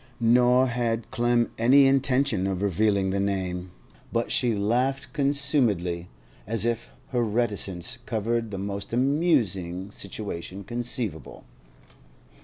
Nor had Clem any intention of revealing the name, but she laughed consumedly, as if her reticence covered the most amusing situation conceivable.